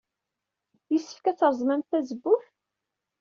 Yessefk ad treẓmemt tazewwut?